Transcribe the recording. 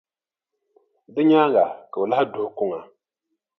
Di nyaaŋa ka o lahi duhi kuŋa.